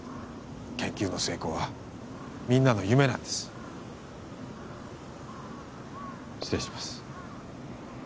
研究の成功はみんなの夢なんです失礼します